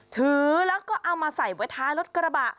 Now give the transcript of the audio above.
ถือแล้วก็เอามาใส่ไว้ท้ายรถกระบะ